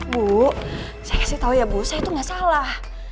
bu saya kasih tahu ya bu saya itu nggak salah